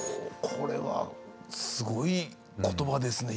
これはすごいことばですね